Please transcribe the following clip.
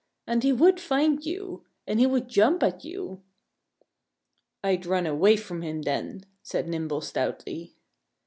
"And he would find you. And he would jump at you." "I'd run away from him then," said Nimble stoutly.